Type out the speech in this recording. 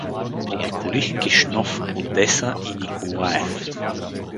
Обиколих Кишнов, Одеса и Николаев.